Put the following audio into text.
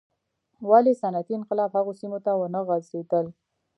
ولې صنعتي انقلاب هغو سیمو ته ونه غځېدل.